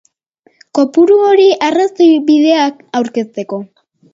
Kopuru hori arrazoibideak aurkezteko.